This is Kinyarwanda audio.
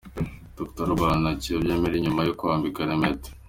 Dr Albert na Kiyobe Merry nyuma yo kwambikana impeta.